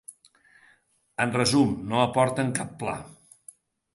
En resum: no aporten cap pla.